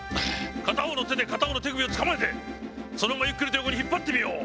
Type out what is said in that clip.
片方の手で片方の手首をつかまえてそのままゆっくりと横に引っ張ってみよう。